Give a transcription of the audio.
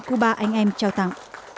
cuba anh em chào tạm